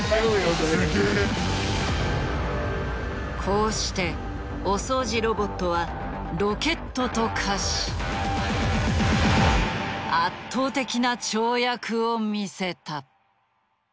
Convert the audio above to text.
こうしてお掃除ロボットはロケットと化し圧倒的な跳躍を見せた。